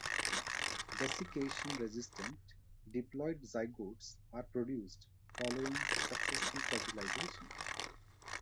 Desiccation-resistant diploid zygotes are produced following successful fertilization.